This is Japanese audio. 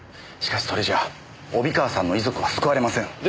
しかしそれじゃあ帯川さんの遺族は救われません。